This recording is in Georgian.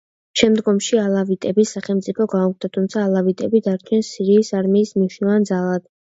შემდგომში ალავიტების სახელმწიფო გაუქმდა, თუმცა ალავიტები დარჩნენ სირიის არმიის მნიშვნელოვან ძალად.